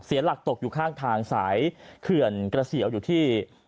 เสียหลักตกอยู่ข้างทางสายเขื่อนเกษียวอยู่ที่